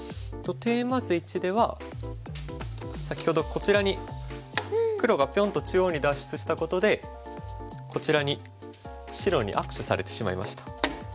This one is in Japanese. テーマ図１では先ほどこちらに黒がピョンと中央に脱出したことでこちらに白に握手されてしまいました。